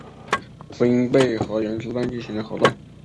分倍河原之战进行的合战。